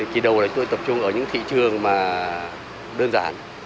kỳ đầu là tôi tập trung ở những thị trường mà đơn giản